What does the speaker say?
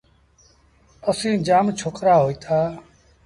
اسيٚݩ جآم ڇوڪرآ هوئيٚتآ۔